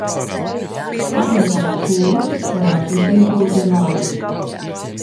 Atvērās skolas, radās izglītoti ļaudis.